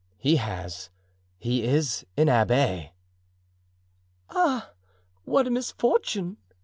"He has; he is an abbé." "Ah, what a misfortune!"